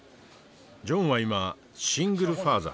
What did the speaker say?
ジョンは今シングルファーザー。